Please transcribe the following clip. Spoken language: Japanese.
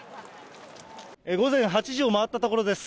午前８時を回ったところです。